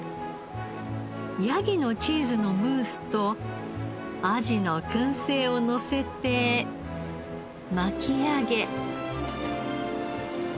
ヤギのチーズのムースとアジの燻製をのせて巻き上げ。